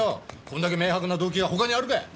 こんだけ明白な動機が他にあるかい！